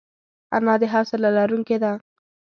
انا د حوصله لرونکې ده